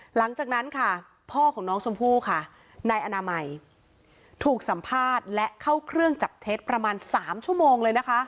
หลังจากนั้นค่ะพ่อของน้องชมพู่ค่ะนายอนามัยถูกสัมภาษณ์และเข้าเครื่องจับเท็จประมาณ๓ชั่วโมงเลยนะคะ